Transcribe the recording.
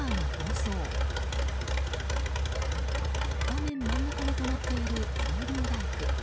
画面真ん中に止まっている三輪バイク。